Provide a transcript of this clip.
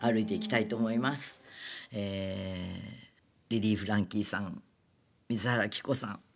リリー・フランキーさん水原希子さん